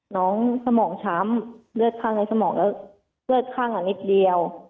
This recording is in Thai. น้องสมองช้ำเลือดข้างในสมองแล้วเลือดข้างนิดเดียว